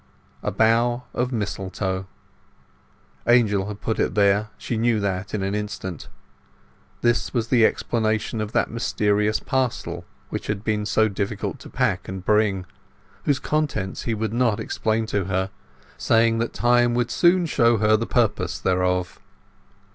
A bough of mistletoe. Angel had put it there; she knew that in an instant. This was the explanation of that mysterious parcel which it had been so difficult to pack and bring; whose contents he would not explain to her, saying that time would soon show her the purpose thereof.